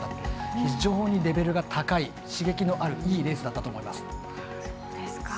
非常にレベルの高い刺激のあるいいレースだったと思います。